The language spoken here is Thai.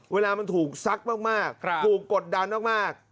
เวลามันถูกซักมากถูกกดดันมาก